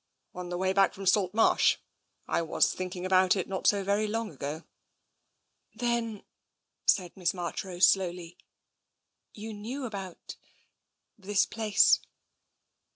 "" On the way back from Salt Marsh ? I was think ing about it not so very long ago." " Then," said Miss Marchrose slowly, " you knew about — this place